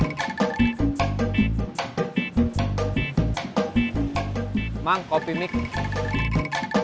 sampai jumpa di video selanjutnya